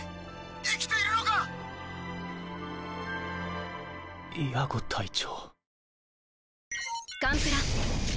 生きているのか⁉イアゴ隊長？